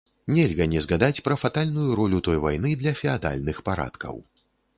Нельга не згадаць пра фатальную ролю той вайны для феадальных парадкаў.